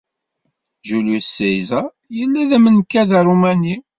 Julius Caesar yella d amenkad arumani.